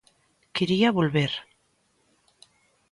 Quería volver.